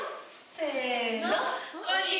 せの。